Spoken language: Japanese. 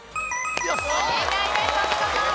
正解です。